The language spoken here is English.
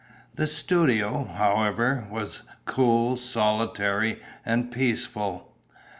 The studio, however, was cool, solitary and peaceful.